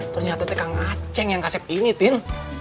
ternyata teh kang aceh yang kasep ini tin